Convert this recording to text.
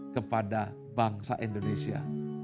kepada bangsa indonesia